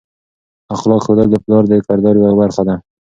اخلاق ښوول د پلار د کردار یوه برخه ده.